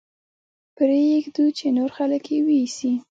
پرې يې ږدو چې نور خلک يې ويسي.